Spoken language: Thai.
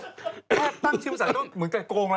เขาแพทย์ตั้งชื่อประสาทก็เหมือนกัดโกรธแล้ว